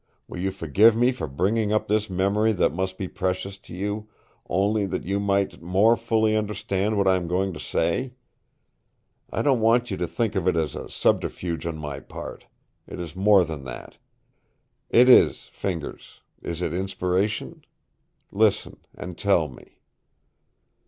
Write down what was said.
Will you forgive me for bringing up this memory that must be precious to you, only that you might more fully understand what I am going to say? I don't want you to think of it as a subterfuge on my part. It is more than that. It is Fingers, is it inspiration? Listen, and tell me."